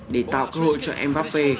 để tạo cơ hội cho mbappé